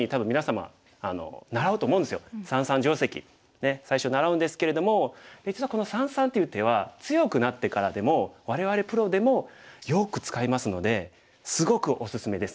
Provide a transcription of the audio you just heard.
ねえ最初習うんですけれども実はこの三々という手は強くなってからでも我々プロでもよく使いますのですごくおすすめです。